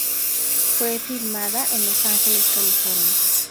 Fue filmada en Los Ángeles, California.